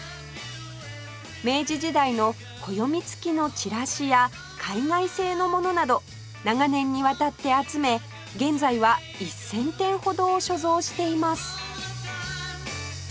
明治時代の暦つきのチラシや海外製のものなど長年にわたって集め現在は１０００点ほどを所蔵しています